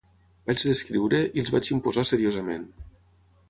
Vaig descriure, i els vaig imposar seriosament.